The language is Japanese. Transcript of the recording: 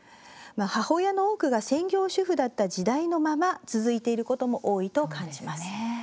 母親の多くが専業主婦だった時代のまま続いていることも多いと感じます。